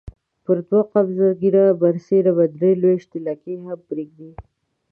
پر دوه قبضه ږیره برسېره به درې لويشتې لکۍ هم پرېږدم.